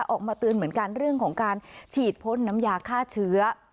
ออกมาเตือนเหมือนกันเรื่องของการฉีดพ่นน้ำยาฆ่าเชื้อ